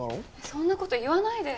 そんな事言わないで。